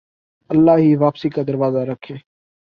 اللہ ہی واپسی کا دروازہ رکھے